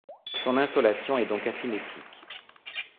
Son insolation est donc asymétrique.